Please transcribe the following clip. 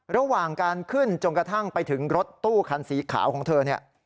ระหว่างการขึ้นจนกระทั่งไปถึงรถตู้คันสีขาวของเธอเนี่ย